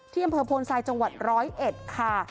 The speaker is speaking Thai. อำเภอโพนทรายจังหวัดร้อยเอ็ดค่ะ